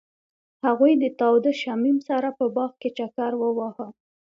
هغوی د تاوده شمیم سره په باغ کې چکر وواهه.